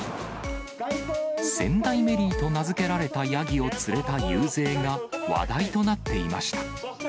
仙台メリーと名付けられたヤギを連れた遊説が話題となっていました。